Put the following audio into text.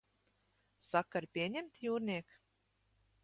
Sakari pieņemti, jūrniek?